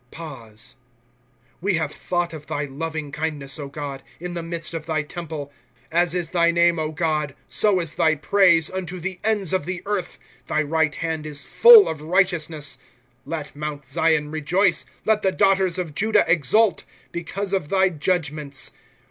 {Pause.) ^ We have thought of thy loving kindness, God, In the midst of thy temple. 1" As is thy name, God, So is thy praise, unto the enda of the earth ; Thy right hand is full of righteousness. ^^ Let Mount Zion rejoice. Let the daughters of Judah exult, Because of thy judgments.